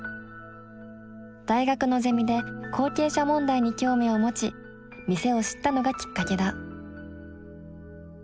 大学のゼミで後継者問題に興味を持ち店を知ったのがきっかけだ。